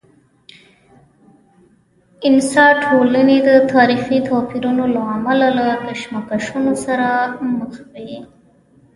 انسا ټولنې د تاریخي توپیرونو له امله له کشمکشونو سره مخ وي.